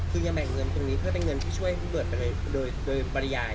คือยังแบ่งเงินตรงนี้เพื่อได้เงินที่ช่วยพี่เบิร์ดไปโดยโดยบรรยาย